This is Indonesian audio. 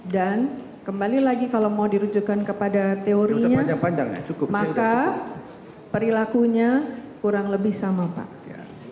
dan kembali lagi kalau mau dirujukan kepada teorinya maka perilakunya kurang lebih sama pak